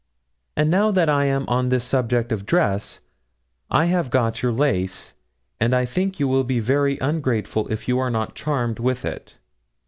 And now that I am on this subject of dress, I have got your lace; and I think you will be very ungrateful if you are not charmed with it."